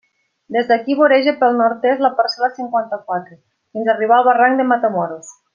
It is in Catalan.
Des d'ací voreja pel nord-est la parcel·la cinquanta-quatre, fins a arribar al barranc de Matamoros.